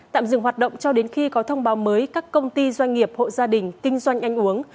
tạm dừng hoạt động cho đến khi có thông báo mới các công ty doanh nghiệp hộ gia đình kinh doanh ăn uống